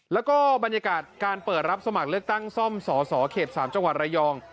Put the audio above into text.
แล้วก็บรรยากาศการเปิดรับสมัครเลือกตั้งซ่อมสสเขต๓จังหวัดระยอง